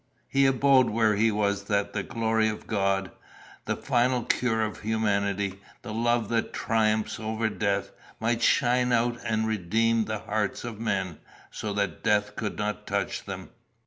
He abode where he was that the glory of God, the final cure of humanity, the love that triumphs over death, might shine out and redeem the hearts of men, so that death could not touch them.